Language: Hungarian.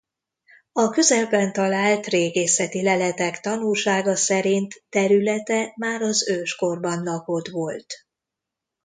A közelben talált régészeti leletek tanúsága szerint területe már az őskorban lakott volt.